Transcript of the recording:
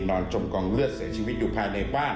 จมกองเลือดเสียชีวิตอยู่ภายในบ้าน